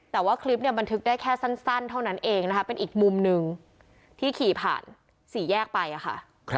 แต่ว่าคลิปเนี่ยบันทึกได้แค่สั้นเท่านั้นเองนะคะเป็นอีกมุมหนึ่งที่ขี่ผ่านสี่แยกไปค่ะ